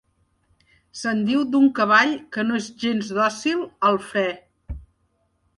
Se'n diu d'un cavall que no és gens dòcil al fre.